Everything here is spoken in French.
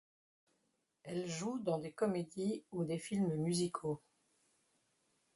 Elle joue dans des comédies ou des films musicaux.